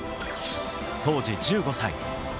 当時１５歳。